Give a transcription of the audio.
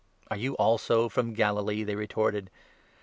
" Are you also from Galilee ?" they retorted.